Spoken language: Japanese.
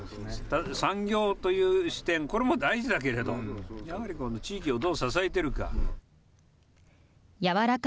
産業という視点、これも大事だけれど、やはりこの地域をどう支えてるか。